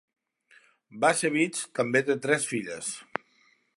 Bacevich també té tres filles.